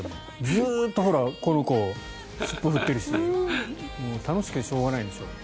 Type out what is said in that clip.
ずっとこの子、尻尾振ってるし楽しくてしょうがないでしょう。